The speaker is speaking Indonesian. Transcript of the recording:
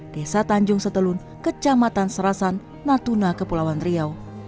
desa tanjung setelun kecamatan serasan natuna kepulauan riau